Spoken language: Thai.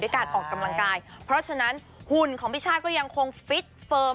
การออกกำลังกายเพราะฉะนั้นหุ่นของพี่ช่าก็ยังคงฟิตเฟิร์ม